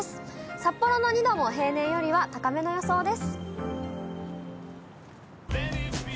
札幌の２度も平年よりは高めの予想です。